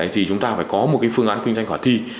thì chúng ta phải có một phương án kinh doanh khả thi